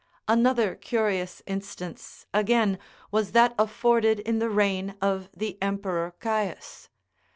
Another curious instance, again, was that afforded in the reign of the Emperor Caius.